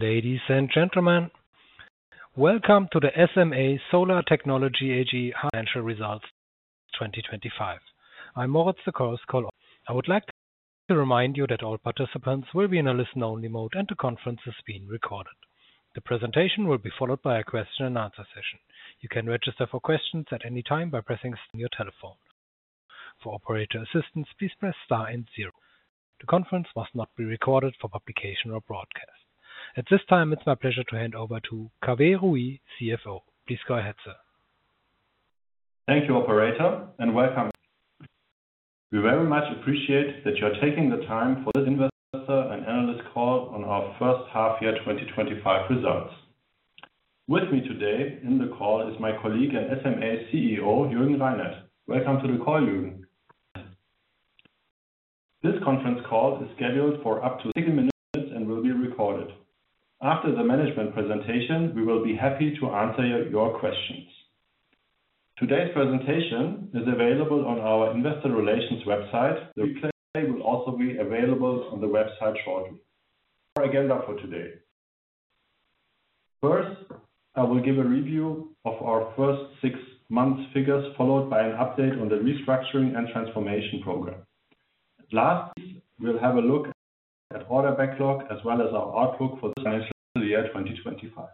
Ladies and gentlemen, welcome to the SMA Solar Technology AG Financial Results 2025. I'm Moritz, the caller. I would like to remind you that all participants will be in a listen-only mode and the conference is being recorded. The presentation will be followed by a question and answer session. You can register for questions at any time by pressing your telephone. For operator assistance, please press star and zero. The conference must not be recorded for publication or broadcast. At this time, it's my pleasure to hand over to Kaveh Rouhi, CFO. Please go ahead, sir. Thank you, operator, and welcome. We very much appreciate that you're taking the time for this investor and analyst call on our first half-year 2025 results. With me today in the call is my colleague and SMA CEO, Jürgen Reinert. Welcome to the call, Jürgen. This conference call is scheduled for up to 30 minutes and will be recorded. After the management presentation, we will be happy to answer your questions. Today's presentation is available on our Investor Relations website. The presentation will also be available on the website for you. Our agenda for today: First, I will give a review of our first six months' figures, followed by an update on the restructuring and transformation program. Last, we'll have a look at the order backlog as well as our outlook for the year 2025.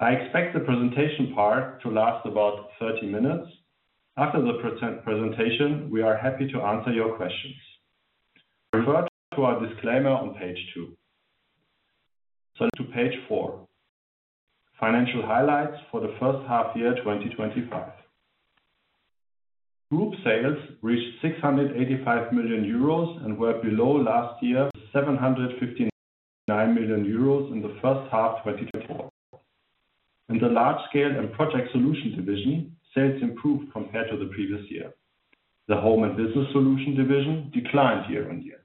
I expect the presentation part to last about 30 minutes. After the presentation, we are happy to answer your questions. Refer to our disclaimer on page two. To page four, financial highlights for the first half-year 2025. Group sales reached 685 million euros and were below last year's 759 million euros in the first half of 2024. In the Large Scale and Project Solutions division, sales improved compared to the previous year. The Home and Business Solutions division declined year on year.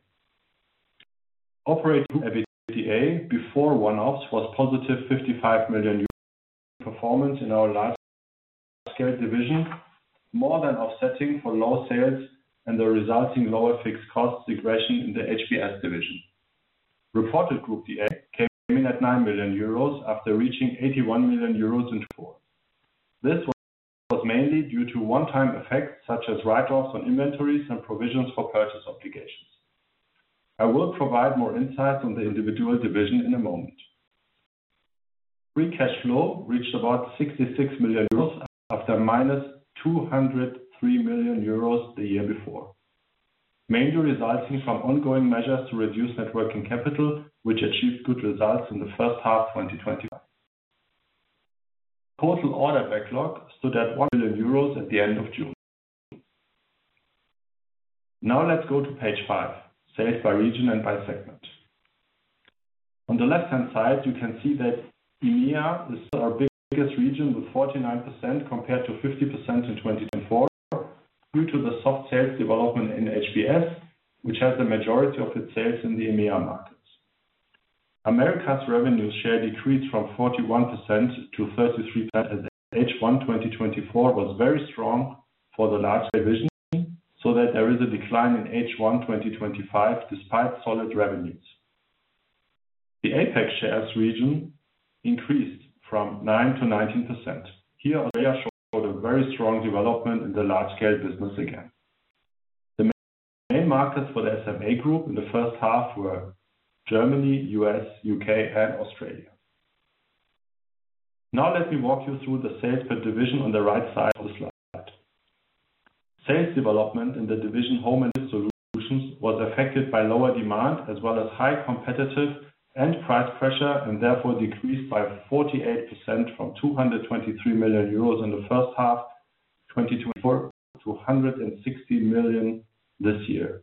Operating EBITDA before one-offs was positive 55 million euros. Performance in our Large Scale divisions was more than offsetting for low sales and the resulting lower fixed costs regression in the HBS division. Reported group came in at 9 million euros after reaching 81 million euros in Q4. This was mainly due to one-time effects such as write-offs on inventories and provisions for purchase obligations. I will provide more insights on the individual division in a moment. Free cash flow reached about 66 million euros after -203 million euros the year before, mainly resulting from ongoing measures to reduce net working capital, which achieved good results in the first half of 2025. Total order backlog stood at 1 million euros at the end of June. Now let's go to page five, sales by region and by segment. On the left-hand side, you can see that EMEA is our biggest region with 49% compared to 50% in 2024 due to the soft sales development in HBS, which has the majority of its sales in the EMEA markets. Americas' revenue share decreased from 41% to 33% as H1 2024 was very strong for the Large Scale division, so that there is a decline in H1 2025 despite solid revenues. The APAC shares region increased from 9% to 19%. Here, we are showing very strong development in the Large Scale business again. The main markets for the SMA group in the first half were Germany, U.S., U.K., and Australia. Now let me walk you through the sales per division on the right side of the slide. Sales development in the division Home and Business Solutions was affected by lower demand as well as high competitive and price pressure and therefore decreased by 48% from 223 million euros in the first half of 2024 to 60 million this year.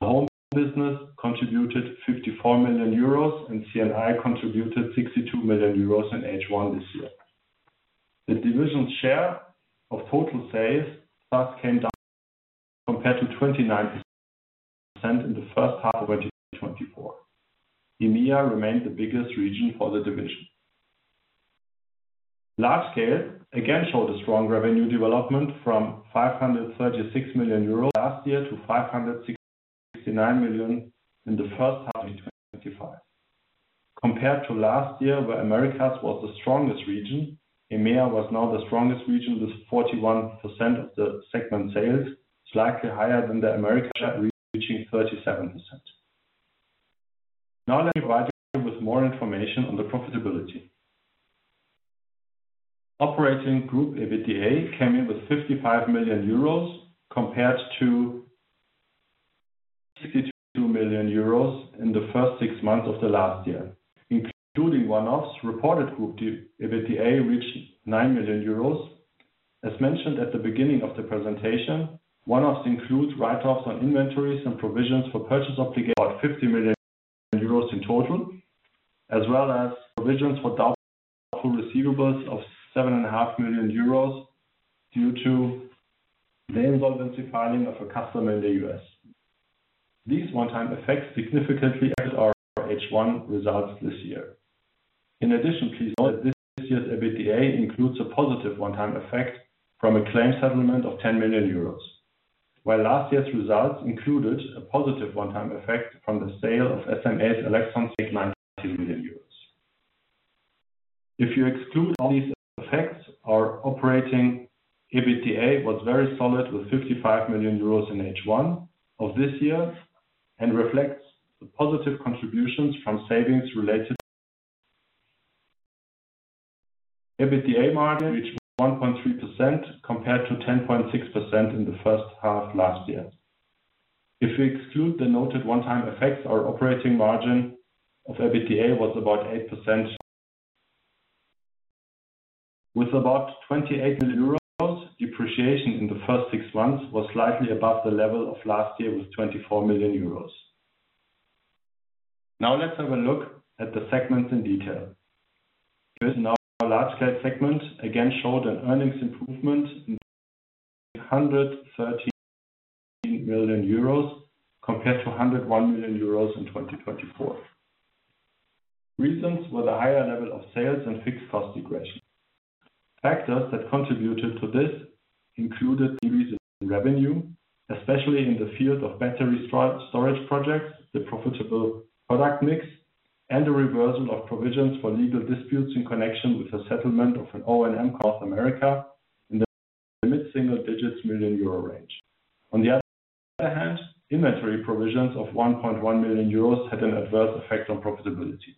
Home Business contributed 54 million euros and C&I contributed 62 million euros in H1 this year. The division's share of total sales came down compared to 29% in the first half of 2024. EMEA remained the biggest region for the division. Large Scale again showed a strong revenue development from 536 million euros last year to 569 million in the first half of 2025. Compared to last year, where Americas was the strongest region, EMEA was now the strongest region with 41% of the segment sales, slightly higher than the Americas region reaching 37%. Now let me provide you with more information on the profitability. Operating group EBITDA came in with 55 million euros compared to 62 million euros in the first six months of last year. Including one-offs, reported group EBITDA reached 9 million euros. As mentioned at the beginning of the presentation, one-offs include write-offs on inventories and provisions for purchase obligations, about 50 million euros in total, as well as provisions for doubtful receivables of 7.5 million euros due to the insolvency filing of a customer in the U.S. These one-time effects significantly impacted our H1 results this year. In addition, please note that this year's EBITDA includes a positive one-time effect from a claim settlement of 10 million euros, while last year's results included a positive one-time effect on the sale of SMA's Elexon signals for EUR 2 million. If you exclude all these effects, our operating EBITDA was very solid with 55 million euros in H1 of this year and reflects the positive contributions from savings related. EBITDA margin reached 1.3% compared to 10.6% in the first half last year. If we exclude the noted one-time effects, our operating margin of EBITDA was about 8%. With about 28 million euros, depreciation in the first six months was slightly above the level of last year with 24 million euros. Now let's have a look at the segments in detail. This Large Scale segment again showed an earnings improvement in 113 million euros compared to 101 million euros in 2024. Reasons were the higher level of sales and fixed cost degression. Factors that contributed to this included increasing revenue, especially in the field of battery storage projects, the profitable product mix, and the reversal of provisions for legal disputes in connection with a settlement of an O&M across Americas in the mid-single digits million euro range. On the other hand, inventory provisions of 1.1 million euros had an adverse effect on profitability.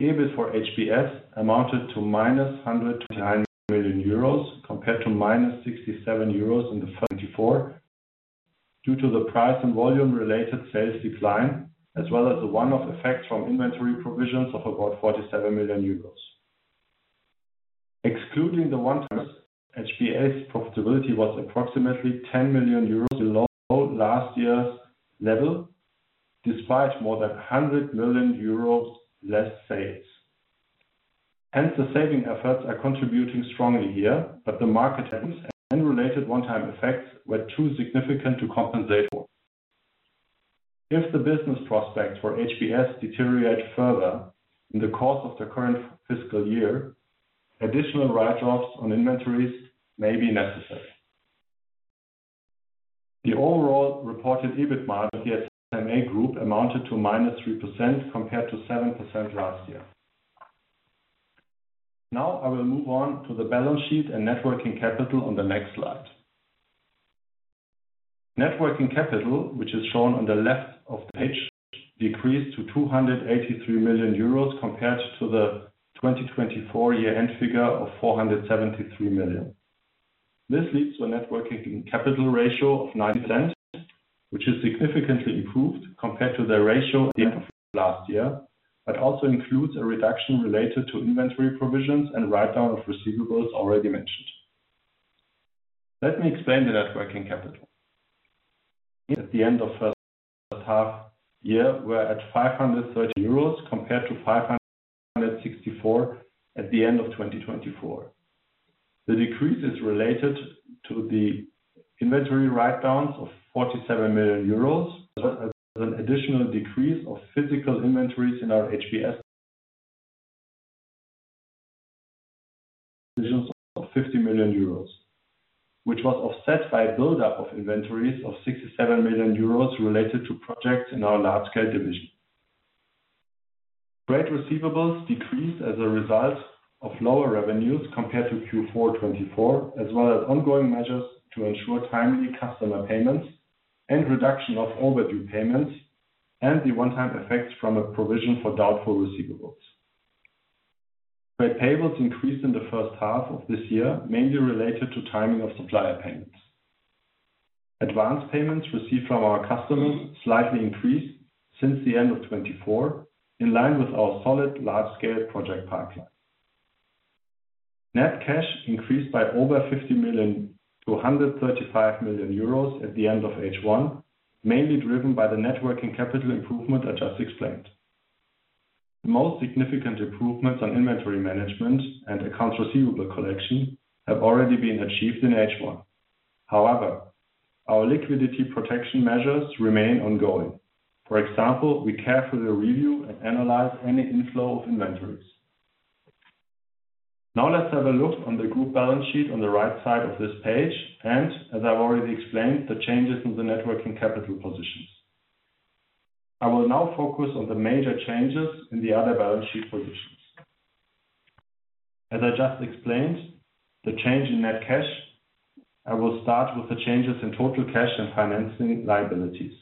EBIT for HBS amounted to -129 million euros compared to -67 million euros in the first half of 2024 due to the price and volume-related sales decline, as well as the one-off effects from inventory provisions of about 47 million euros. Excluding the one-offs, HBS's profitability was approximately 10 million euros below last year's level, despite more than 100 million euros less sales. Hence, the saving efforts are contributing strongly here, but the market terms and related one-time effects were too significant to compensate for. If the business prospects for HBS deteriorate further in the course of the current fiscal year, additional write-offs on inventories may be necessary. The overall reported EBIT margin here for the SMA Group amounted to -3% compared to 7% last year. Now I will move on to the balance sheet and net working capital on the next slide. Net working capital, which is shown on the left of the page, decreased to 283 million euros compared to the 2024 year-end figure of 473 million. This leads to a net working capital ratio of 9%, which is significantly improved compared to the ratio at the end of last year, but also includes a reduction related to inventory provisions and write-down of receivables already mentioned. Let me explain the net working capital. At the end of the first half year, we're at 530 million euros compared to 564 million at the end of 2024. The decrease is related to the inventory write-downs of 47 million euros, as well as an additional decrease of physical inventories in our HBS divisions of 50 million euros, which was offset by a buildup of inventories of 67 million euros related to projects in our Large Scale division. Trade receivables decreased as a result of lower revenues compared to Q4 2024, as well as ongoing measures to ensure timely customer payments and reduction of overdue payments and the one-time effects from a provision for doubtful receivables. Trade payables increased in the first half of this year, mainly related to timing of supplier payments. Advance payments received from our customers slightly increased since the end of 2023, in line with our solid large-scale project pipeline. Net cash increased by over 50 million-135 million euros at the end of H1, mainly driven by the net working capital improvement I just explained. The most significant improvements on inventory management and accounts receivable collection have already been achieved in H1. However, our liquidity protection measures remain ongoing. For example, we carefully review and analyze any inflow of inventories. Now let's have a look at the group balance sheet on the right side of this page, and as I've already explained, the changes in the net working capital positions. I will now focus on the major changes in the other balance sheet positions. As I just explained the change in net cash, I will start with the changes in total cash and financing liabilities.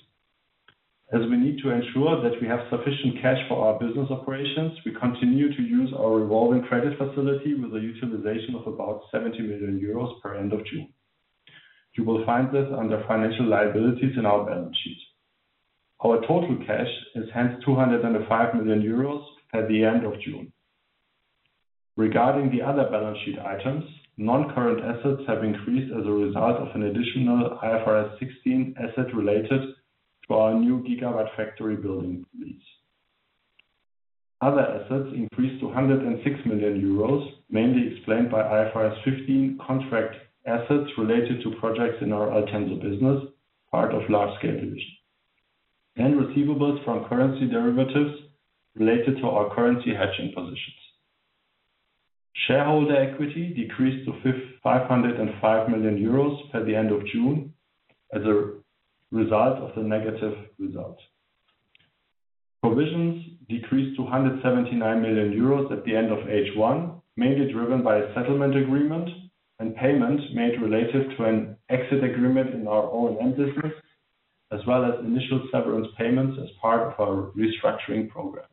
As we need to ensure that we have sufficient cash for our business operations, we continue to use our revolving credit facility with a utilization of about 70 million euros per end of June. You will find this under financial liabilities in our balance sheet. Our total cash is hence 205 million euros at the end of June. Regarding the other balance sheet items, non-current assets have increased as a result of an additional IFRS 16 asset related to our new GIGAWATT FACTORY building lease. Other assets increased to 106 million euros, mainly explained by IFRS 15 contract assets related to projects in our Altenso business, part of Large Scale division, and receivables from currency derivatives related to our currency hedging positions. Shareholder equity decreased to 505 million euros at the end of June as a result of the negative result. Provisions decreased to 179 million euros at the end of H1, mainly driven by a settlement agreement and payments made relative to an exit agreement in our O&M business, as well as initial severance payments as part of our restructuring program.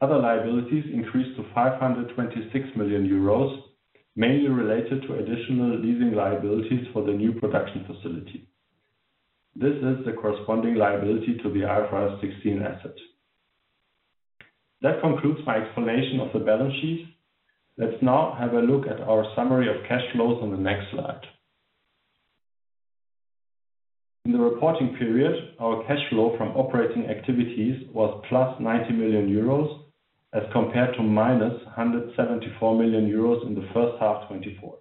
Other liabilities increased to 526 million euros, mainly related to additional leasing liabilities for the new production facility. This is the corresponding liability to the IFRS 16 asset. That concludes my explanation of the balance sheet. Let's now have a look at our summary of cash flows on the next slide. In the reporting period, our cash flow from operating activities was 90 million euros as compared to -174 million euros in the first half of 2024.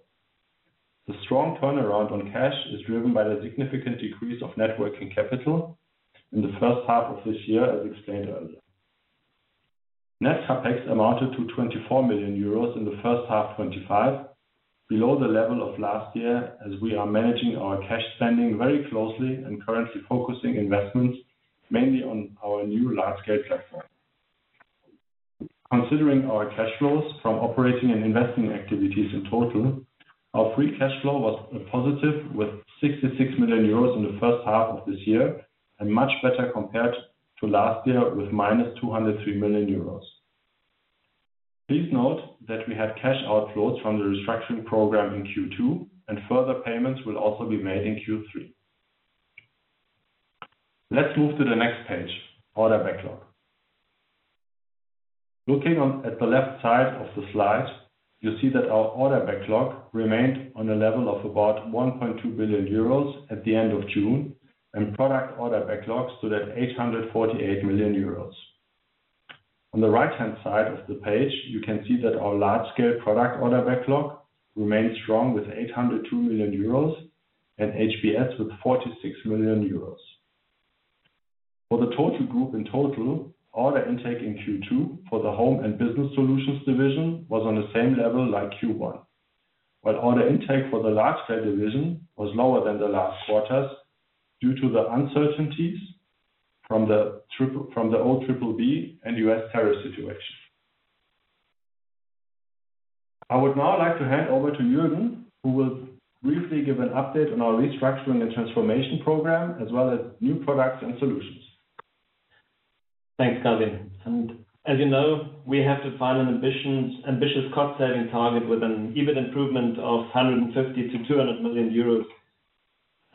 The strong turnaround on cash is driven by the significant decrease of net working capital in the first half of this year, as explained earlier. Net CapEx amounted to 24 million euros in the first half of 2025, below the level of last year, as we are managing our cash spending very closely and currently focusing investments mainly on our new large-scale platform. Considering our cash flows from operating and investing activities in total, our free cash flow was positive with 66 million euros in the first half of this year and much better compared to last year with -203 million euros. Please note that we had cash outflows from the restructuring program in Q2, and further payments will also be made in Q3. Let's move to the next page, order backlog. Looking at the left side of the slide, you see that our order backlog remained on a level of about 1.2 billion euros at the end of June, and product order backlog stood at 848 million euros. On the right-hand side of the page, you can see that our large-scale product order backlog remains strong with 802 million euros and HBS with 46 million euros. For the total group in total, order intake in Q2 for the Home and Business Solutions division was on the same level like Q1, while order intake for the Large Scale and Project Solutions division was lower than the last quarters due to the uncertainties from the OBBB and U.S. tariff situation. I would now like to hand over to Jürgen, who will briefly give an update on our restructuring and transformation program, as well as new products and solutions. Thanks, Kaveh. As you know, we have defined an ambitious cost-saving target with an EBIT improvement of 150-200 million euros.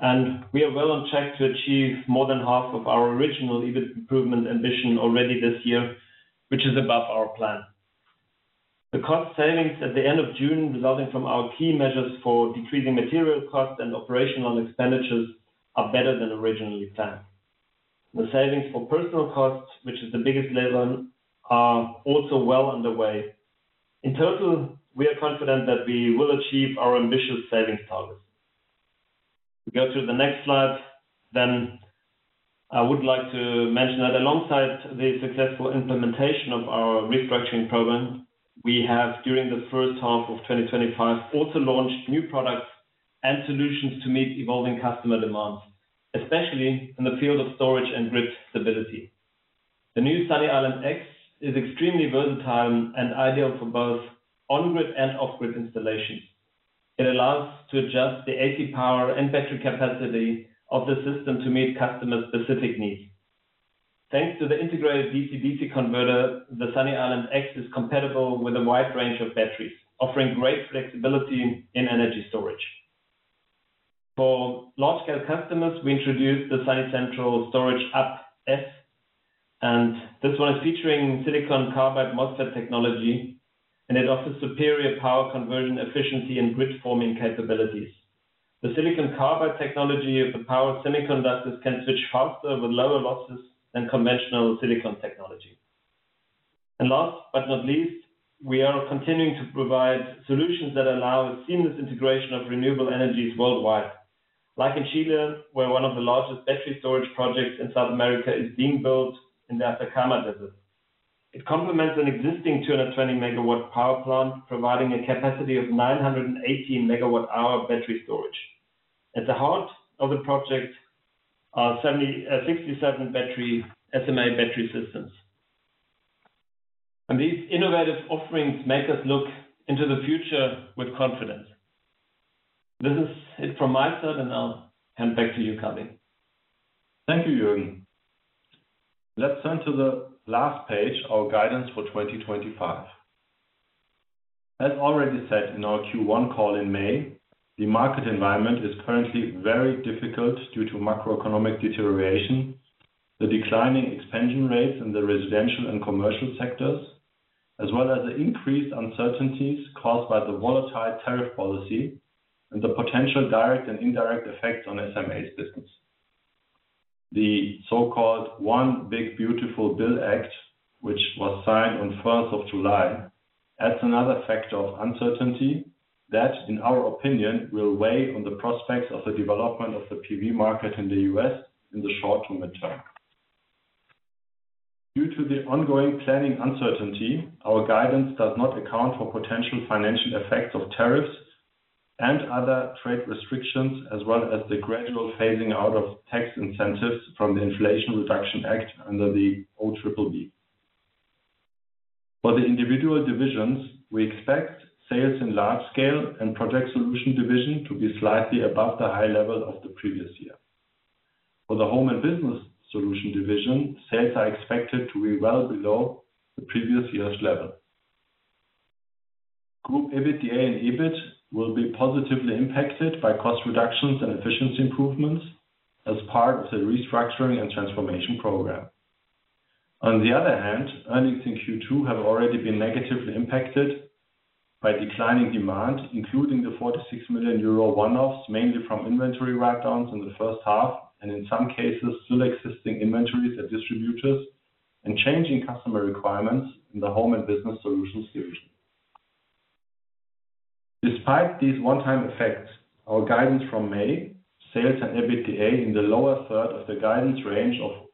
We are well on track to achieve more than half of our original EBIT improvement ambition already this year, which is above our plan. The cost savings at the end of June resulting from our key measures for decreasing material costs and operational expenditures are better than originally planned. The savings for personnel costs, which is the biggest lever, are also well underway. In total, we are confident that we will achieve our ambitious savings target. Go to the next slide. I would like to mention that alongside the successful implementation of our restructuring program, we have during the first half of 2025 also launched new products and solutions to meet evolving customer demands, especially in the field of storage and grid stability. The new Sunny Island X is extremely versatile and ideal for both on-grid and off-grid installations. It allows us to adjust the AC power and battery capacity of the system to meet customer-specific needs. Thanks to the integrated DC-DC converter, the Sunny Island X is compatible with a wide range of batteries, offering great flexibility in energy storage. For large-scale customers, we introduced the Sunny Central Storage UP-S, and this one is featuring silicon carbide MOSFET technology, and it offers superior power conversion efficiency and grid forming capabilities. The silicon carbide technology of the powered silicon buses can switch faster with lower losses than conventional silicon technology. Last but not least, we are continuing to provide solutions that allow seamless integration of renewable energies worldwide, like in Chile, where one of the largest battery storage projects in South America is being built in the Atacama Desert. It complements an existing 220 MW power plant, providing a capacity of 918 MWh battery storage. At the heart of the project are 67 SMA battery systems. These innovative offerings make us look into the future with confidence. This is it from my side, and I'll hand back to you, Kaveh. Thank you, Jürgen. Let's turn to the last page, our guidance for 2025. As already said in our Q1 call in May, the market environment is currently very difficult due to macroeconomic deterioration, the declining expansion rates in the residential and commercial sectors, as well as the increased uncertainties caused by the volatile tariff policy and the potential direct and indirect effects on SMA's business. The so-called One Big Beautiful Bill Act, which was signed on July 1, adds another factor of uncertainty that, in our opinion, will weigh on the prospects of the development of the PV market in the U.S. in the short to mid term. Due to the ongoing planning uncertainty, our guidance does not account for potential financial effects of tariffs and other trade restrictions, as well as the gradual phasing out of tax incentives from the Inflation Reduction Act under the OBBB. For the individual divisions, we expect sales in the Large Scale and Project Solutions division to be slightly above the high level of the previous year. For the Home and Business Solutions division, sales are expected to be well below the previous year's level. Group EBITDA and EBIT will be positively impacted by cost reductions and efficiency improvements as part of the restructuring and transformation program. On the other hand, earnings in Q2 have already been negatively impacted by declining demand, including the 46 million euro one-offs, mainly from inventory write-downs in the first half and in some cases still existing inventories at distributors and changing customer requirements in the Home and Business Solutions division. Despite these one-time effects, our guidance from May, sales and EBITDA in the lower third of the guidance range of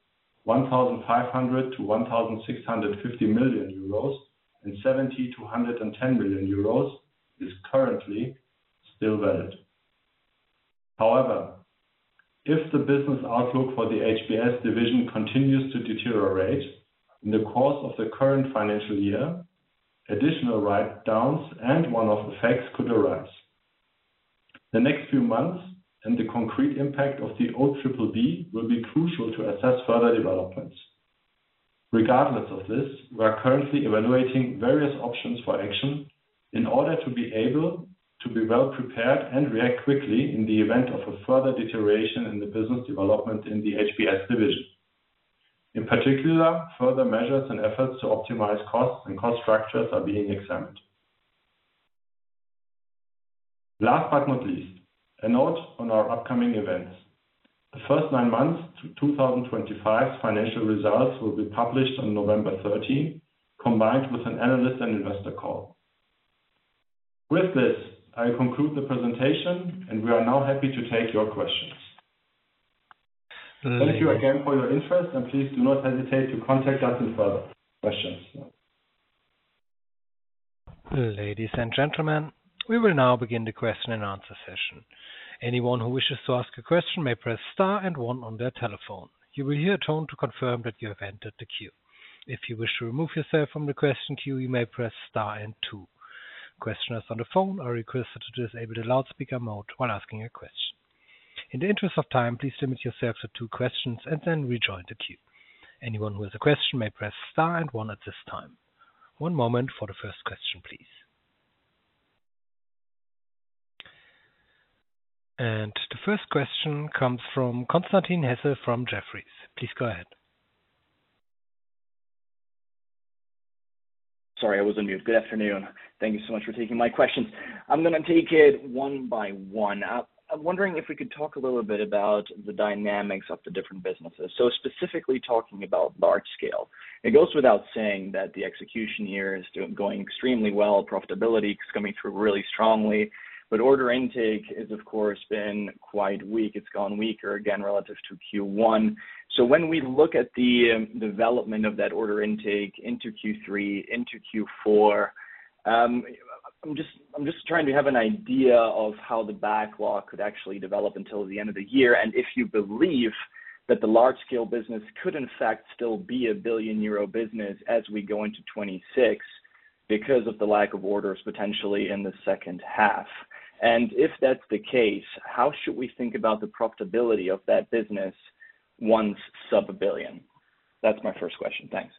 1,500-1,650 million euros and 70-110 million euros is currently still valid. However, if the business outlook for the HBS division continues to deteriorate in the course of the current financial year, additional write-downs and one-off effects could arise. The next few months and the concrete impact of the OBBB will be crucial to assess further developments. Regardless of this, we are currently evaluating various options for action in order to be able to be well prepared and react quickly in the event of a further deterioration in the business development in the HBS division. In particular, further measures and efforts to optimize costs and cost structures are being examined. Last but not least, a note on our upcoming events. The first nine months 2025 financial results will be published on November 13, combined with an analyst and investor call. With this, I conclude the presentation, and we are now happy to take your questions. Thank you again for your interest, and please do not hesitate to contact us with further questions. Ladies and gentlemen, we will now begin the question and answer session. Anyone who wishes to ask a question may press star and one on their telephone. You will hear a tone to confirm that you have entered the queue. If you wish to remove yourself from the question queue, you may press star and two. Questioners on the phone are requested to disable the loudspeaker mode while asking a question. In the interest of time, please limit yourself to two questions and then rejoin the queue. Anyone who has a question may press star and one at this time. One moment for the first question, please. The first question comes from Constantin Hesse from Jefferies. Please go ahead. Sorry, I was on mute. Good afternoon. Thank you so much for taking my questions. I'm going to take it one by one. I'm wondering if we could talk a little bit about the dynamics of the different businesses. Specifically talking about Large Scale. It goes without saying that the execution here is going extremely well. Profitability is coming through really strongly. Order intake has of course been quite weak. It's gone weaker again relative to Q1. When we look at the development of that order intake into Q3, into Q4, I'm just trying to have an idea of how the backlog could actually develop until the end of the year. If you believe that the Large Scale business could in fact still be a 1 billion euro business as we go into 2026 because of the lack of orders potentially in the second half, and if that's the case, how should we think about the profitability of that business once sub a billion? That's my first question. Thanks.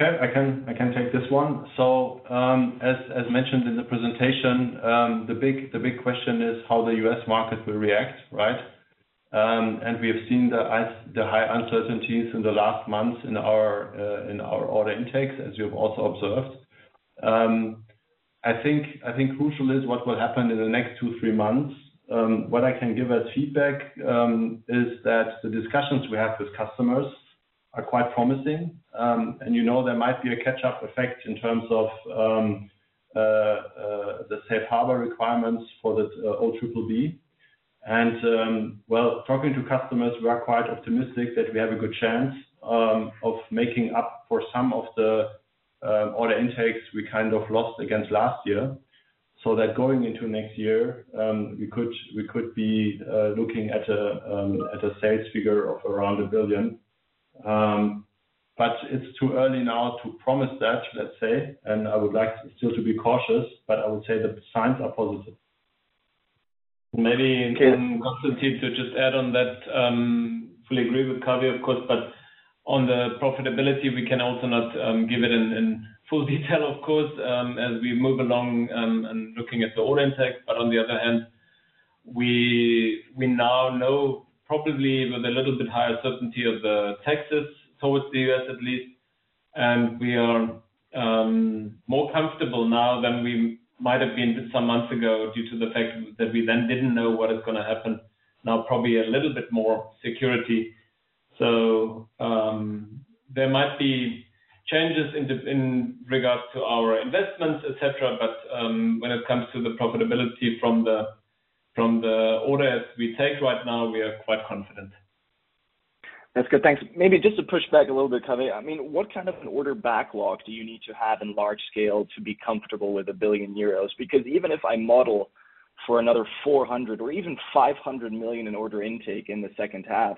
Okay, I can take this one. As mentioned in the presentation, the big question is how the U.S. market will react, right? We have seen the high uncertainties in the last months in our order intakes, as you've also observed. I think crucial is what will happen in the next two, three months. What I can give as feedback is that the discussions we have with customers are quite promising. You know there might be a catch-up effect in terms of the safe harbor requirements for the OBBB. Talking to customers, we are quite optimistic that we have a good chance of making up for some of the order intakes we kind of lost against last year. Going into next year, we could be looking at a sales figure of around 1 billion. It's too early now to promise that, let's say. I would like still to be cautious, but I would say the signs are positive. Maybe, Constantin, to just add on that, fully agree with Kaveh, of course, but on the profitability, we can also not give it in full detail, of course, as we move along and looking at the order intake. On the other hand, we now know probably with a little bit higher certainty of the taxes towards the U.S. at least. We are more comfortable now than we might have been just some months ago due to the fact that we then didn't know what is going to happen. Now probably a little bit more security. There might be changes in regard to our investments, et cetera. When it comes to the profitability from the orders we take right now, we are quite confident. That's good. Thanks. Maybe just to push back a little bit, Kaveh, I mean, what kind of an order backlog do you need to have in Large Scale to be comfortable with 1 billion euros? Because even if I model for another 400 million or even 500 million in order intake in the second half,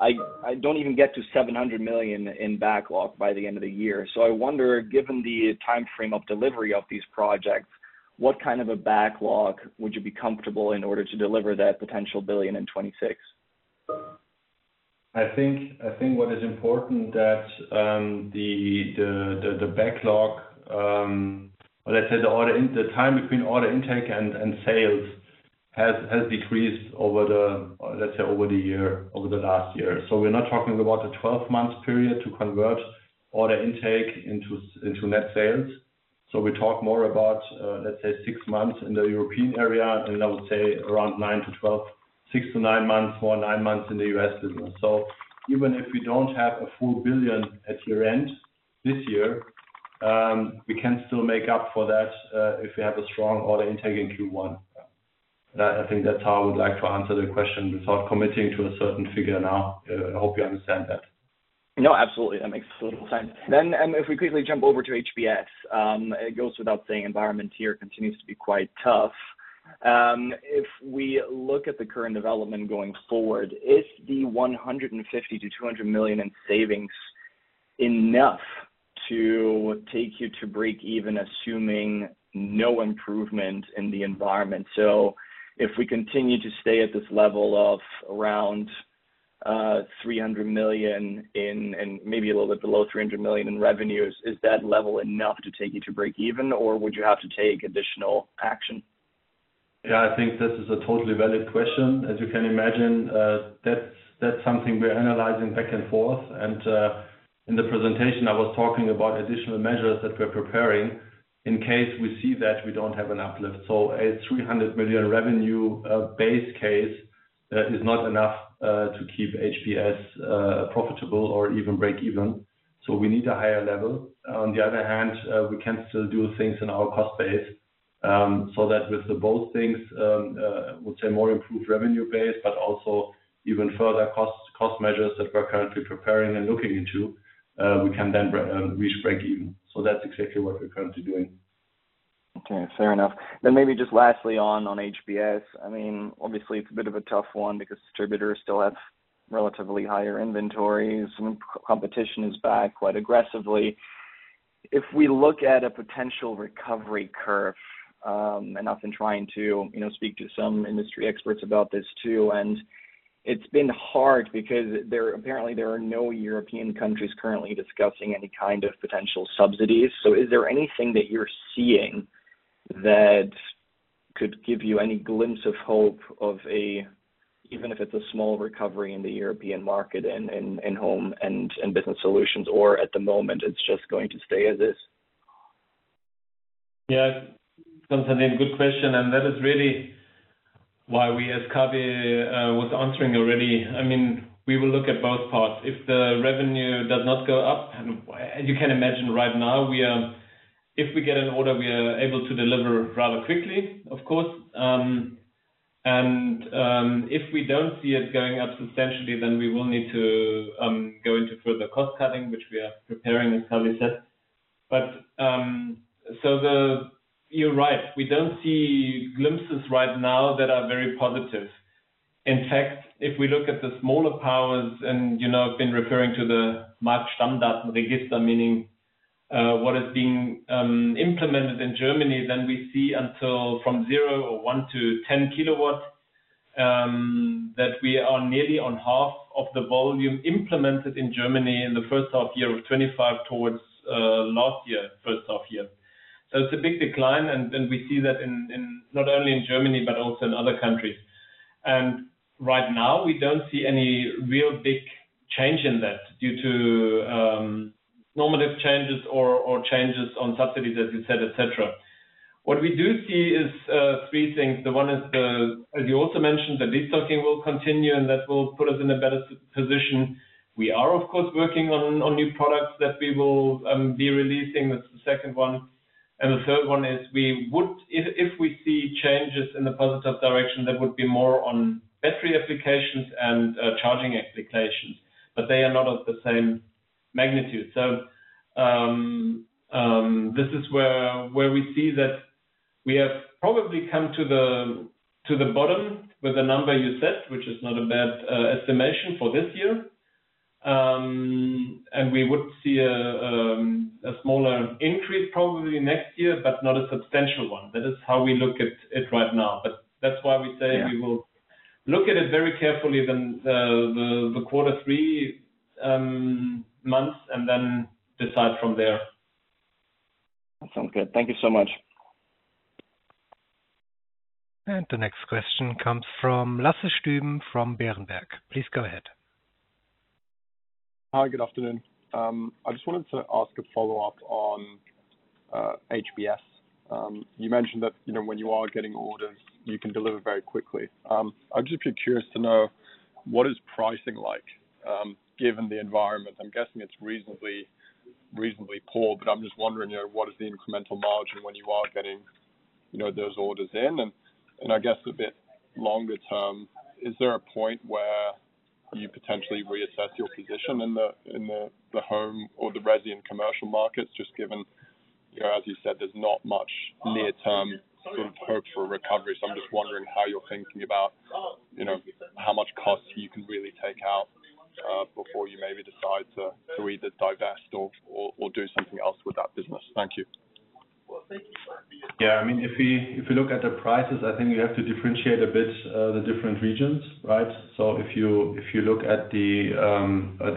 I don't even get to 700 million in backlog by the end of the year. I wonder, given the timeframe of delivery of these projects, what kind of a backlog would you be comfortable in order to deliver that potential 1 billion in 2026? I think what is important is that the backlog, or let's say the time between order intake and sales, has decreased over the year, over the last year. We're not talking about a 12-month period to convert order intake into net sales. We talk more about six months in the European area, and I would say around six to nine months or nine months in the U.S. business. Even if we don't have a full billion at year end this year, we can still make up for that if we have a strong order intake in Q1. I think that's how I would like to answer the question without committing to a certain figure now. I hope you understand that. No, absolutely. That makes total sense. If we quickly jump over to HBS, it goes without saying the environment here continues to be quite tough. If we look at the current development going forward, is the 150 million-200 million in savings enough to take you to break even, assuming no improvement in the environment? If we continue to stay at this level of around 300 million in and maybe a little bit below 300 million in revenues, is that level enough to take you to break even, or would you have to take additional action? Yeah, I think this is a totally valid question. As you can imagine, that's something we're analyzing back and forth. In the presentation, I was talking about additional measures that we're preparing in case we see that we don't have an uplift. A 300 million revenue base case is not enough to keep HBS profitable or even break even. We need a higher level. On the other hand, we can still do things in our cost phase. With both things, I would say more improved revenue base, but also even further cost measures that we're currently preparing and looking into, we can then reach break even. That's exactly what we're currently doing. Okay, fair enough. Maybe just lastly on HBS, I mean, obviously it's a bit of a tough one because distributors still have relatively higher inventories. I mean, competition is back quite aggressively. If we look at a potential recovery curve, and I've been trying to speak to some industry experts about this too, it's been hard because apparently there are no European countries currently discussing any kind of potential subsidies. Is there anything that you're seeing that could give you any glimpse of hope of a, even if it's a small recovery in the European market in Home and Business Solutions, or at the moment it's just going to stay as is? Yeah, Constantin, good question. That is really why we, as Kaveh was answering already, will look at both parts. If the revenue does not go up, and as you can imagine right now, if we get an order, we are able to deliver rather quickly, of course. If we don't see it going up substantially, then we will need to go into further cost cutting, which we are preparing, as Kaveh said. You're right. We don't see glimpses right now that are very positive. In fact, if we look at the smaller powers, and you know I've been referring to the Marktstammdatenregister, meaning what is being implemented in Germany, then we see from zero or one to 10 kW that we are nearly on half of the volume implemented in Germany in the first half year of 2025 towards last year's first half year. It's a big decline, and we see that in not only Germany, but also in other countries. Right now, we don't see any real big change in that due to normative changes or changes on subsidies, as you said, etc. What we do see is three things. One is, as you also mentioned, the restocking will continue, and that will put us in a better position. We are, of course, working on new products that we will be releasing. That's the second one. The third one is, if we see changes in the positive direction, that would be more on battery applications and charging applications, but they are not of the same magnitude. This is where we see that we have probably come to the bottom with the number you said, which is not a bad estimation for this year. We would see a smaller increase probably next year, but not a substantial one. That is how we look at it right now. That's why we say we will look at it very carefully in the quarter three months and then decide from there. That sounds good. Thank you so much. The next question comes from Lasse Stüben from Berenberg. Please go ahead. Hi, good afternoon. I just wanted to ask a follow-up on HBS. You mentioned that when you are getting orders, you can deliver very quickly. I'm just a bit curious to know what is pricing like given the environment? I'm guessing it's reasonably poor, but I'm just wondering what is the incremental margin when you are getting those orders in? I guess a bit longer term, is there a point where you potentially reassess your position in the home or the resident commercial markets, just given, as you said, there's not much near-term sort of hope for a recovery? I'm just wondering how you're thinking about how much cost you can really take out before you maybe decide to either divest or do something else with that business. Thank you. Yeah, I mean, if we look at the prices, I think we have to differentiate a bit the different regions, right? If you look at the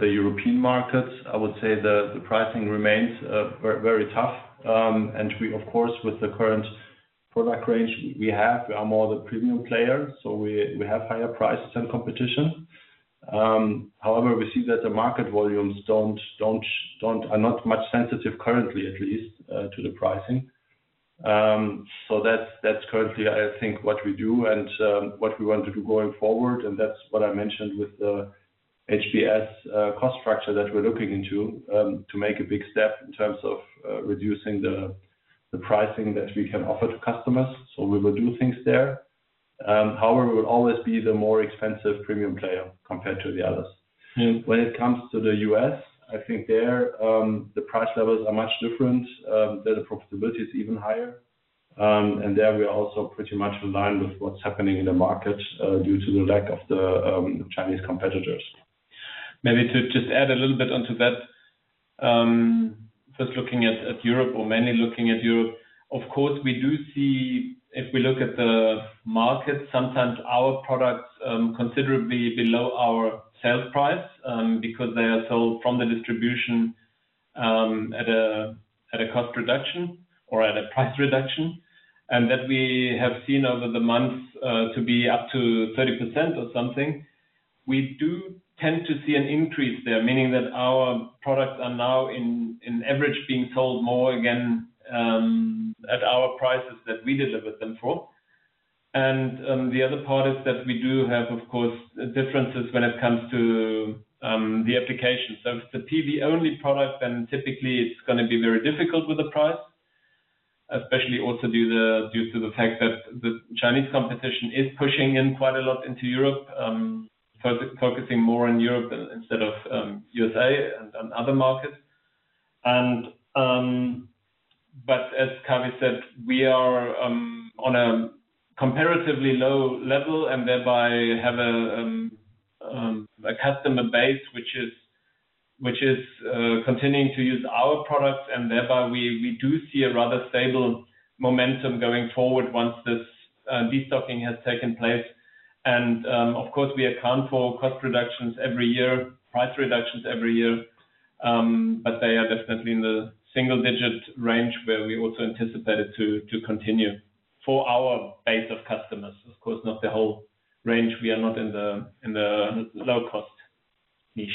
European markets, I would say the pricing remains very tough. We, of course, with the current product range we have, are more the premium player, so we have higher prices than competition. However, we see that the market volumes are not much sensitive currently, at least to the pricing. That's currently, I think, what we do and what we want to do going forward. That's what I mentioned with the HBS cost structure that we're looking into to make a big step in terms of reducing the pricing that we can offer to customers. We will do things there. However, we will always be the more expensive premium player compared to the others. When it comes to the U.S., I think there the price levels are much different. The profitability is even higher. There we are also pretty much in line with what's happening in the market due to the lack of the Chinese competitors. Maybe to just add a little bit onto that, first looking at Europe or mainly looking at Europe, of course, we do see, if we look at the market, sometimes our products are considerably below our sales price because they are sold from the distribution at a cost reduction or at a price reduction. We have seen over the months to be up to 30% or something. We do tend to see an increase there, meaning that our products are now in average being sold more again at our prices that we delivered them for. The other part is that we do have, of course, differences when it comes to the application. If it's a PV-only product, then typically it's going to be very difficult with the price, especially also due to the fact that the Chinese competition is pushing in quite a lot into Europe, focusing more on Europe instead of the U.S.A. and other markets. As Kaveh said, we are on a comparatively low level and thereby have a customer base, which is continuing to use our products, and thereby we do see a rather stable momentum going forward once this destocking has taken place. Of course, we account for cost reductions every year, price reductions every year, but they are definitely in the single-digit range where we also anticipate it to continue for our base of customers. Of course, not the whole range. We are not in the low-cost niche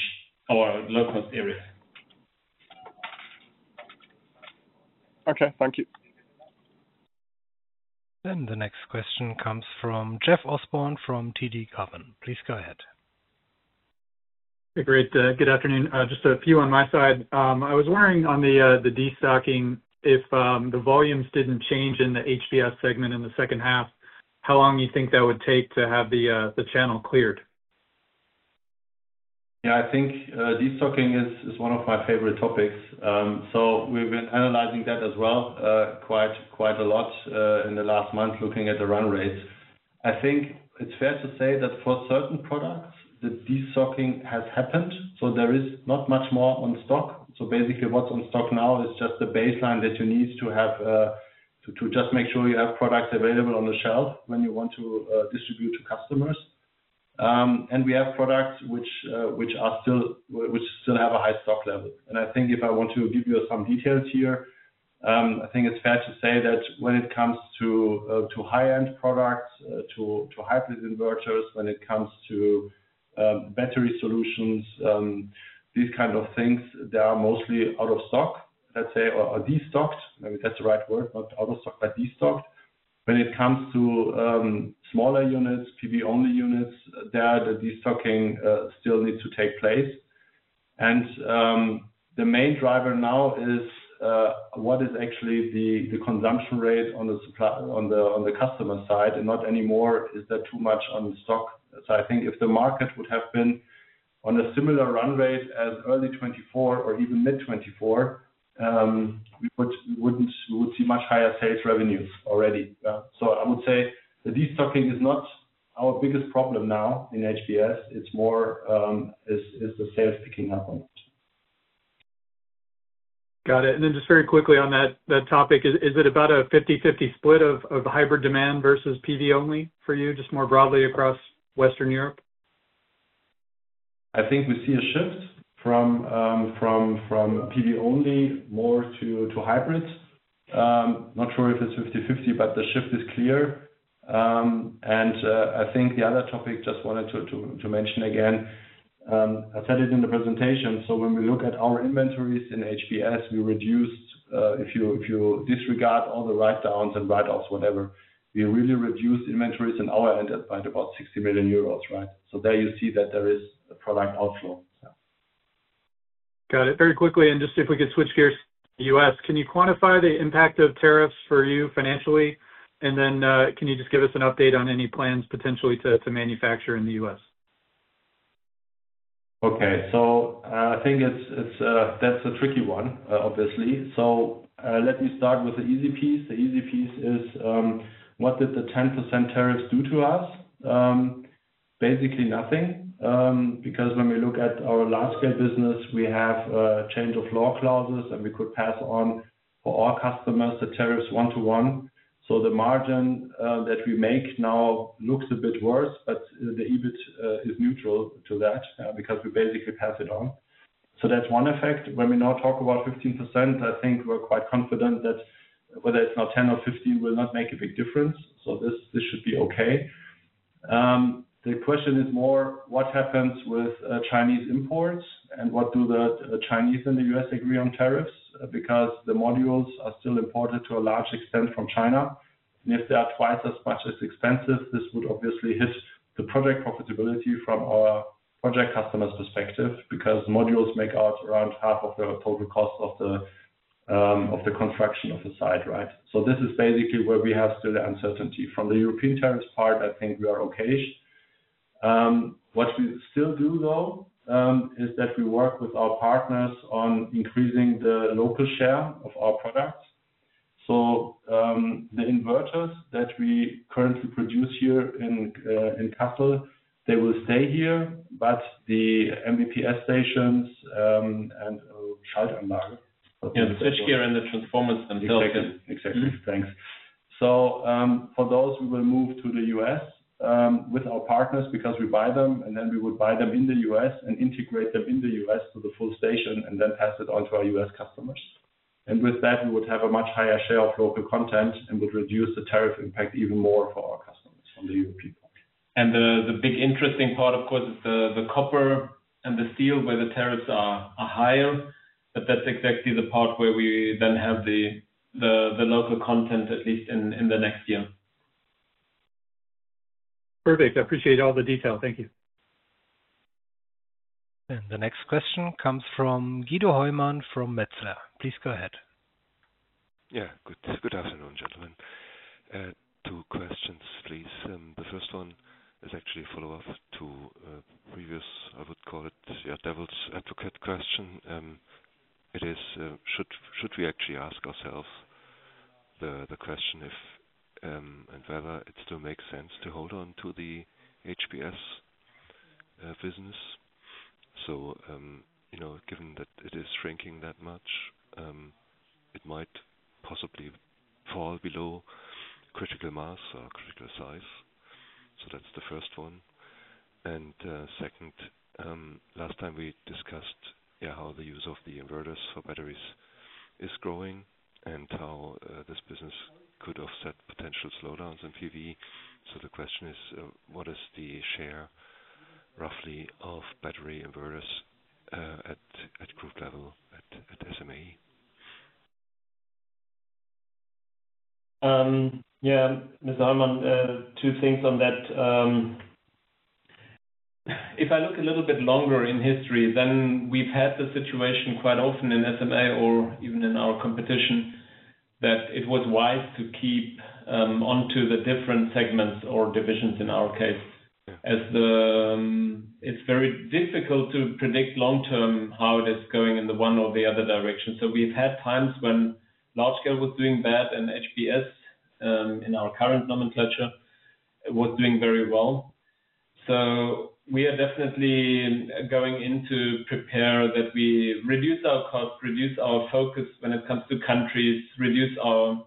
or low-cost area. Okay, thank you. The next question comes from Jeff Osborne from TD Cowen. Please go ahead. Hey, great. Good afternoon. Just a few on my side. I was wondering on the destocking, if the volumes didn't change in the HBS segment in the second half, how long do you think that would take to have the channel cleared? Yeah, I think destocking is one of my favorite topics. We've been analyzing that as well quite a lot in the last month, looking at the run rates. I think it's fair to say that for certain products, the destocking has happened. There is not much more on stock. Basically, what's on stock now is just the baseline that you need to have to just make sure you have products available on the shelf when you want to distribute to customers. We have products which still have a high stock level. If I want to give you some details here, I think it's fair to say that when it comes to high-end products, to hybrid inverters, when it comes to battery solutions, these kinds of things, they are mostly out of stock, let's say, or destocked. Maybe that's the right word, not out of stock, but destocked. When it comes to smaller units, PV-only units, there the destocking still needs to take place. The main driver now is what is actually the consumption rate on the customer side and not anymore, is that too much on stock. I think if the market would have been on a similar run rate as early 2024 or even mid-2024, we would see much higher sales revenues already. I would say the destocking is not our biggest problem now in HBS. It's more is the sales picking up on it. Got it. Just very quickly on that topic, is it about a 50-50 split of hybrid demand versus PV only for you, just more broadly across Western Europe? I think we see a shift from PV only more to hybrids. Not sure if it's 50-50, but the shift is clear. I think the other topic I just wanted to mention again, I said it in the presentation. When we look at our inventories in HBS, we reduced, if you disregard all the write-downs and write-offs, whatever, we really reduced inventories in our end at about 60 million euros, right? There you see that there is a product outflow. Got it. Very quickly, if we could switch gears to the U.S., can you quantify the impact of tariffs for you financially? Can you give us an update on any plans potentially to manufacture in the U.S.? Okay, I think that's a tricky one, obviously. Let me start with the easy piece. The easy piece is what did the 10% tariffs do to us? Basically nothing, because when we look at our Large Scale business, we have change of law clauses, and we could pass on for all customers the tariffs one-to-one. The margin that we make now looks a bit worse, but the EBIT is neutral to that because we basically pass it on. That's one effect. When we now talk about 15%, I think we're quite confident that whether it's now 10% or 15% will not make a big difference. This should be okay. The question is more, what happens with Chinese imports and what do the Chinese and the U.S. agree on tariffs? The modules are still imported to a large extent from China. If they are twice as much as expensive, this would obviously hit the project profitability from our project customers' perspective because modules make out around half of the total cost of the construction of the site, right? This is basically where we have still the uncertainty. From the European tariffs part, I think we are okay. What we still do though is that we work with our partners on increasing the local share of our products. The inverters that we currently produce here in Kassel, they will stay here, but the MVPS stations and Schaltanlage. Yeah, the switchgear and the transformer. Exactly, exactly, thanks. For those, we will move to the U.S. with our partners because we buy them, and then we would buy them in the U.S. and integrate them in the U.S. to the full station and then pass it on to our U.S. customers. With that, we would have a much higher share of local content and would reduce the tariff impact even more for our customers from the European. The big interesting part, of course, is the copper and the steel where the tariffs are higher. That's exactly the part where we then have the local content, at least in the next year. Perfect. I appreciate all the detail. Thank you. The next question comes from Guido Hoymann from Metzler. Please go ahead. Yeah, good afternoon, gentlemen. Two questions, please. The first one is actually a follow-up to a previous, I would call it the devil's advocate question. It is, should we actually ask ourselves the question if and whether it still makes sense to hold on to the HBS business? You know, given that it is shrinking that much, it might possibly fall below critical mass or critical size. That's the first one. Last time we discussed how the use of the inverters for batteries is growing and how this business could offset potential slowdowns in PV. The question is, what is the share roughly of battery inverters at group level at SMA? Yeah, Hoymann, two things on that. If I look a little bit longer in history, then we've had the situation quite often in SMA or even in our competition that it was wise to keep onto the different segments or divisions in our case. It's very difficult to predict long-term how it is going in the one or the other direction. We've had times when Large Scale was doing bad and HBS in our current nomenclature was doing very well. We are definitely going in to prepare that we reduce our cost, reduce our focus when it comes to countries, reduce our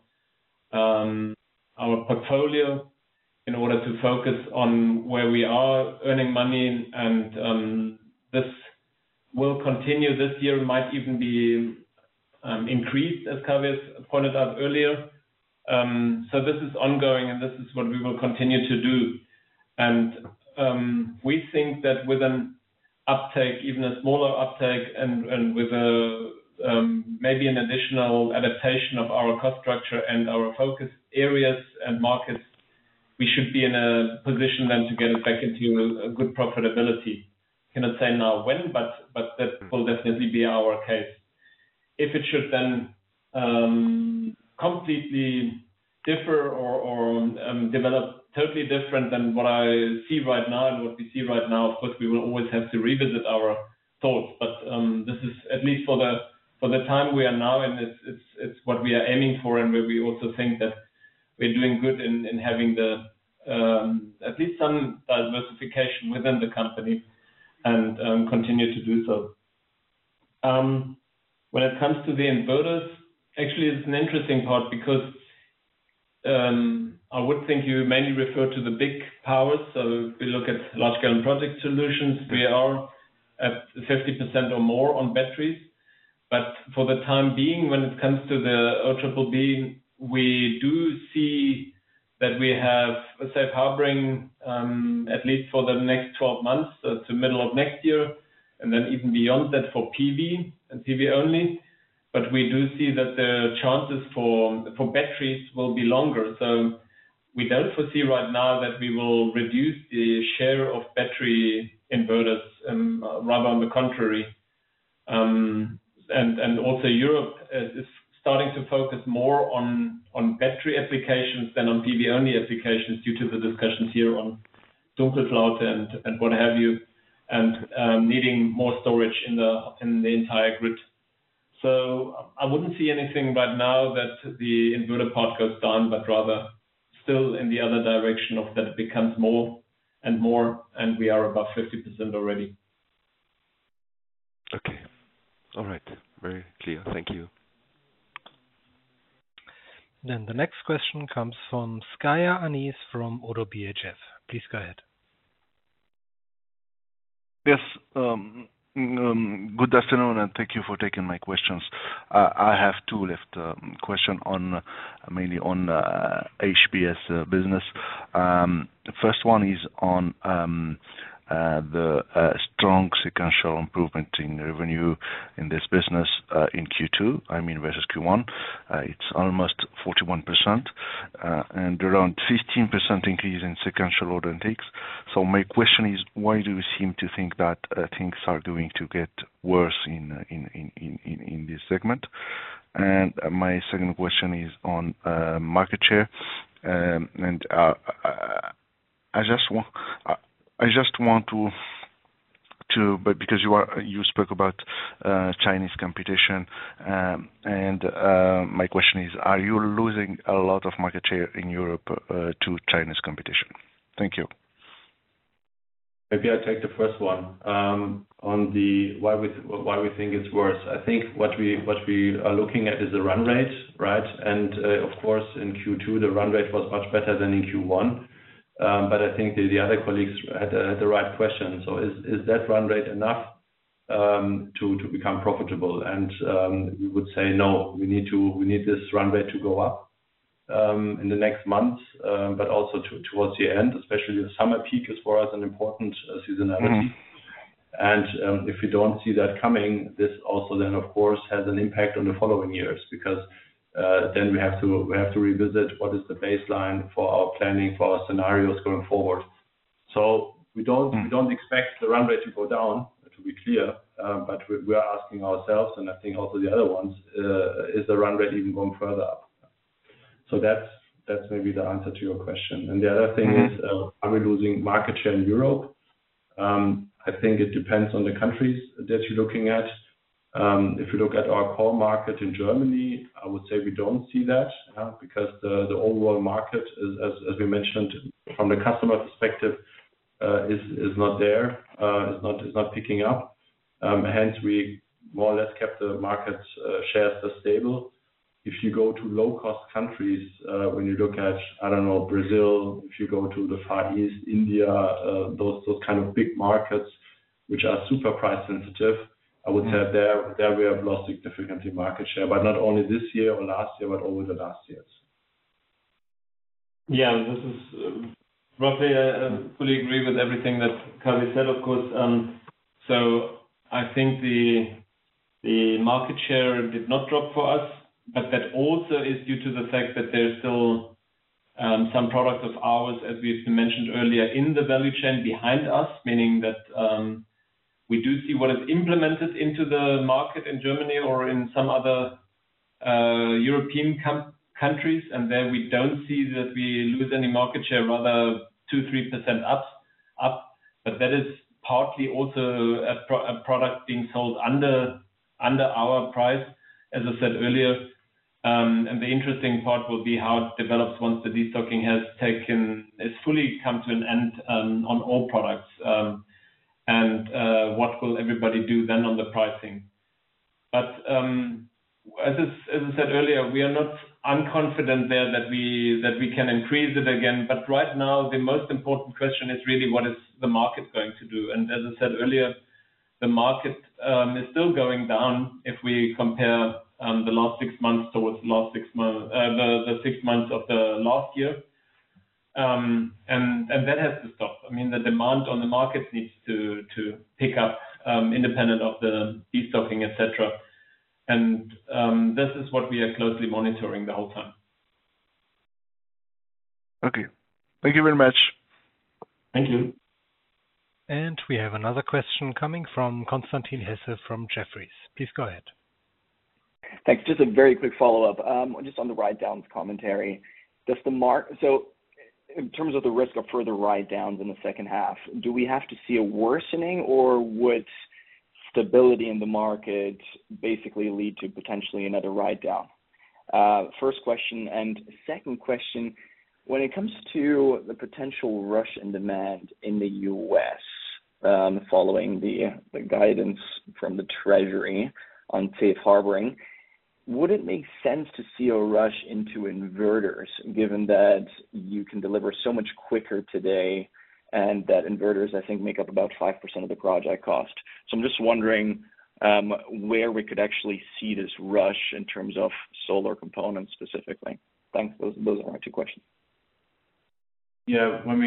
portfolio in order to focus on where we are earning money. This will continue this year. It might even be increased, as Kaveh pointed out earlier. This is ongoing, and this is what we will continue to do. We think that with an uptake, even a smaller uptake, and with maybe an additional adaptation of our cost structure and our focus areas and markets, we should be in a position then to get it back into a good profitability. I cannot say now when, but that will definitely be our case. If it should then completely differ or develop totally different than what I see right now and what we see right now, of course, we will always have to revisit our thoughts. This is at least for the time we are now, and it's what we are aiming for and where we also think that we're doing good in having at least some diversification within the company and continue to do so. When it comes to the inverters, actually, it's an interesting part because I would think you mainly refer to the big powers. We look at Large Scale and Project Solutions. We are at 50% or more on batteries. For the time being, when it comes to the OBBB, we do see that we have a safe harboring at least for the next 12 months to the middle of next year, and then even beyond that for PV and PV only. We do see that the chances for batteries will be longer. We don't foresee right now that we will reduce the share of battery inverters, rather on the contrary. Also, Europe is starting to focus more on battery applications than on PV-only applications due to the discussions here on Dunkelflaute and what have you, and needing more storage in the entire grid. I wouldn't see anything right now that the inverter part goes down, but rather still in the other direction of that it becomes more and more, and we are above 50% already. Okay. All right. Very clear. Thank you. Next question comes from Anis Zgaya from ODDO BHF. Please go ahead. Yes. Good afternoon, and thank you for taking my questions. I have two questions mainly on HBS business. The first one is on the strong sequential improvement in revenue in this business in Q2. I mean, versus Q1. It's almost 41% and around 15% increase in sequential order intakes. My question is, why do you seem to think that things are going to get worse in this segment? My second question is on market share. I just want to, because you spoke about Chinese competition, and my question is, are you losing a lot of market share in Europe to Chinese competition? Thank you. Maybe I'll take the first one on why we think it's worse. I think what we are looking at is the run rate, right? Of course, in Q2, the run rate was much better than in Q1. I think the other colleagues had the right question. Is that run rate enough to become profitable? We would say no, we need this run rate to go up in the next months, but also towards the end, especially the summer peak is for us an important seasonality. If we don't see that coming, this also then, of course, has an impact on the following years because then we have to revisit what is the baseline for our planning for our scenarios going forward. We don't expect the run rate to go down, to be clear, but we are asking ourselves, and I think also the other ones, is the run rate even going further up? That's maybe the answer to your question. The other thing is, are we losing market share in Europe? I think it depends on the countries that you're looking at. If you look at our core market in Germany, I would say we don't see that because the overall market is, as we mentioned, from the customer perspective, is not there, is not picking up. Hence, we more or less kept the market shares stable. If you go to low-cost countries, when you look at, I don't know, Brazil, if you go to the Far East, India, those kind of big markets, which are super price sensitive, I would say there we have lost significantly market share, but not only this year or last year, but over the last years. Yeah, this is roughly, I fully agree with everything that Kaveh said, of course. I think the market share did not drop for us, but that also is due to the fact that there's still some products of ours, as we've mentioned earlier, in the value chain behind us, meaning that we do see what is implemented into the market in Germany or in some other European countries. There we don't see that we lose any market share, rather 2%-3% up. That is partly also a product being sold under our price, as I said earlier. The interesting part will be how it develops once the restocking has taken, has fully come to an end on all products. What will everybody do then on the pricing? As I said earlier, we are not unconfident there that we can increase it again. Right now, the most important question is really what is the market going to do? As I said earlier, the market is still going down if we compare the last six months towards the last six months of the last year. That has to stop. The demand on the market needs to pick up independent of the restocking, et cetera. This is what we are closely monitoring the whole time. Okay, thank you very much. Thank you. We have another question coming from Constantin Hesse from Jefferies. Please go ahead. Thanks. Just a very quick follow-up. On the write-downs commentary, does the market, so in terms of the risk of further write-downs in the second half, do we have to see a worsening, or would stability in the market basically lead to potentially another write-down? First question. Second question, when it comes to the potential rush in demand in the U.S., following the guidance from the Treasury on safe harboring, would it make sense to see a rush into inverters, given that you can deliver so much quicker today and that inverters, I think, make up about 5% of the project cost? I'm just wondering where we could actually see this rush in terms of solar components specifically. Thanks. Those are my two questions. Yeah, let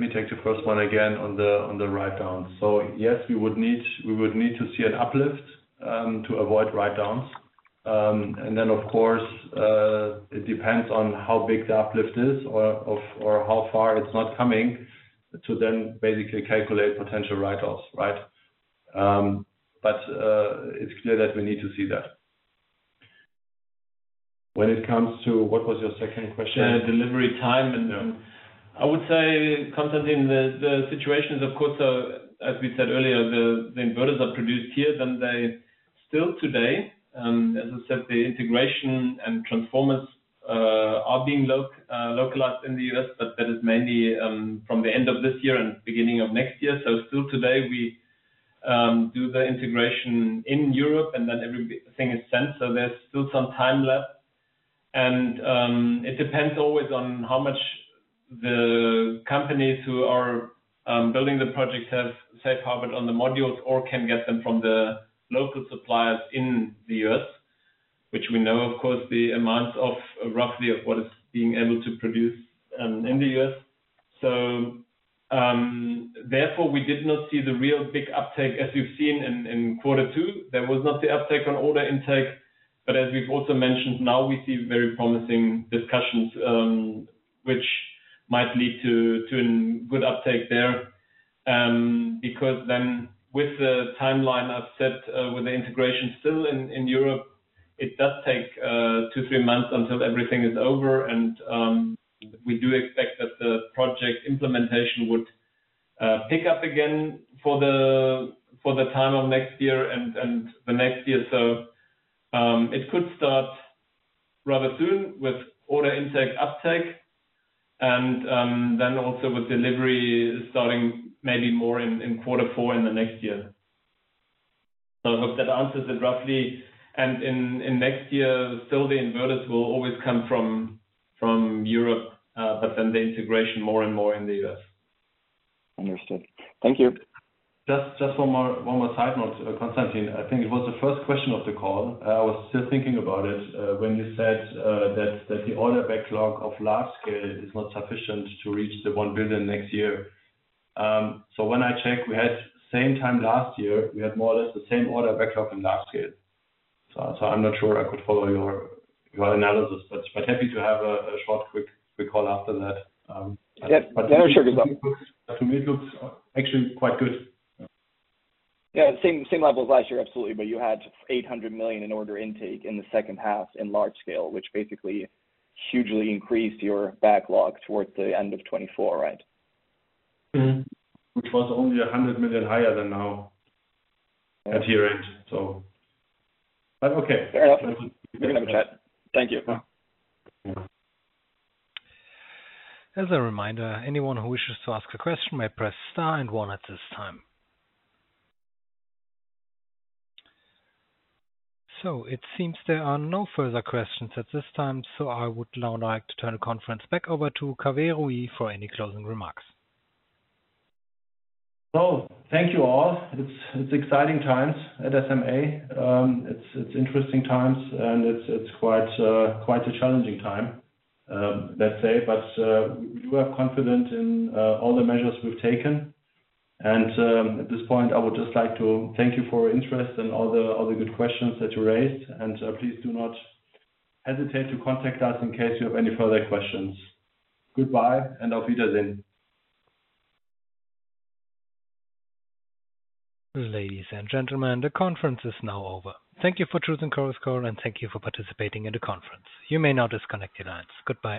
me take the first one again on the write-downs. Yes, we would need to see an uplift to avoid write-downs. Of course, it depends on how big the uplift is or how far it's not coming to then basically calculate potential write-offs, right? It's clear that we need to see that. When it comes to what was your second question? Delivery time. I would say, Constantin, the situation is, as we said earlier, the inverters are produced here. They still today, as I said, the integration and transformer are being localized in the U.S., but that is mainly from the end of this year and beginning of next year. Still today, we do the integration in Europe and then everything is sent. There's still some time left. It depends always on how much the companies who are building the projects have safe harbored on the modules or can get them from the local suppliers in the U.S., which we know, of course, the amount of roughly what is being able to produce in the U.S. Therefore, we did not see the real big uptake. As you've seen in quarter two, there was not the uptake on order intake. As we've also mentioned, now we see very promising discussions, which might lead to a good uptake there. With the timeline I've set with the integration still in Europe, it does take two to three months until everything is over. We do expect that the project implementation would pick up again for the time of next year and the next year. It could start rather soon with order intake uptake and then also with delivery starting maybe more in quarter four in the next year. I hope that answered it roughly. In next year, still the inverters will always come from Europe, but then the integration more and more in the U.S. Understood. Thank you. Just one more side note, Constantin. I think it was the first question of the call. I was still thinking about it when you said that the order backlog of Large Scale is not sufficient to reach the 1 billion next year. When I checked, we had the same time last year, we had more or less the same order backlog in Large Scale. I'm not sure I could follow your analysis, but happy to have a short quick call after that. To me, it looks actually quite good. Yeah, same level as last year, absolutely. You had 800 million in order intake in the second half in Large Scale, which basically hugely increased your backlog towards the end of 2024, right? Which was only 100 million higher than now at year end. Fair enough. We're going to have a chat. Thank you. As a reminder, anyone who wishes to ask a question may press star and one at this time. It seems there are no further questions at this time, so I would now like to turn the conference back over to Kaveh Rouhi for any closing remarks. Thank you all. It's exciting times at SMA. It's interesting times, and it's quite a challenging time, let's say. We do have confidence in all the measures we've taken. At this point, I would just like to thank you for your interest and all the good questions that you raised. Please do not hesitate to contact us in case you have any further questions. Goodbye, and auf Wiedersehen. Ladies and gentlemen, the conference is now over. Thank you for choosing Chorus Call, and thank you for participating in the conference. You may now disconnect your lines. Goodbye.